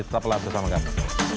tetap berlatih bersama kami